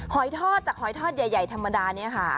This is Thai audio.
หอยทอดจากหอยทอดใหญ่ธรรมดานี้ค่ะ